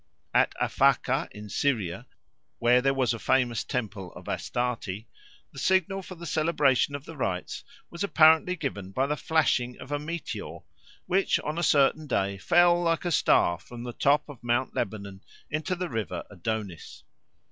At Aphaca in Syria, where there was a famous temple of Astarte, the signal for the celebration of the rites was apparently given by the flashing of a meteor, which on a certain day fell like a star from the top of Mount Lebanon into the river Adonis.